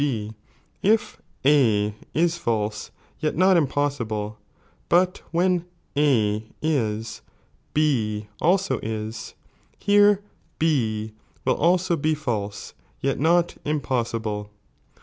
g, if A is false yet not im ''""'""'""■ pocsible, but when A is, B also is, — here B will also he false yet not impossible.